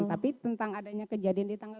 tapi tentang adanya kejadian di tanggal tujuh belas